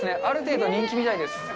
ある程度、人気みたいです。